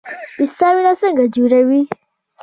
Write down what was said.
پسته وینه څنګه جوړوي؟